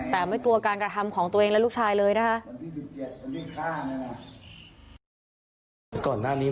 แต่ไม่กลัวการกระทำของตัวเองและลูกชายเลยนะคะ